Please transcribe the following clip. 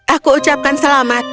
aku ucapkan selamat